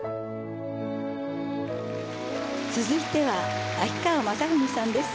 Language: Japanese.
続いては秋川雅史さんです。